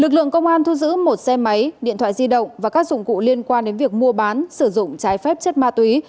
lực lượng công an thu giữ một xe máy điện thoại di động và các dụng cụ liên quan đến việc mua bán sử dụng trái phép chất ma túy